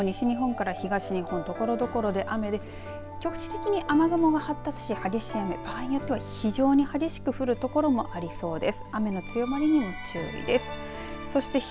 その後も夜にかけても西日本から東日本ところどころで雨で局地的に雨雲が発達し激しい雨、場合によっては非常に激しく降るところもありそうです。